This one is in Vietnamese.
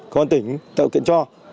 công an tỉnh tạo kiện cho